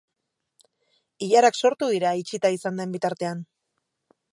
Ilarak sortu dira itxita izan den bitartean.